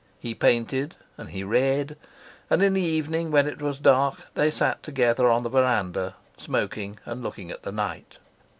He painted and he read, and in the evening, when it was dark, they sat together on the verandah, smoking and looking at the night.